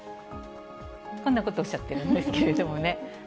こんなことをおっしゃっているんですけれどもね。